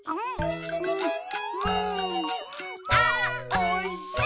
あおいしい！